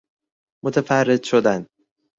متفرد شدن